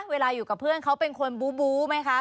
เวลาอยู่กับเพื่อนเขาเป็นคนบู๊ไหมคะ